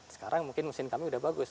sekarang mungkin mesin kami udah bagus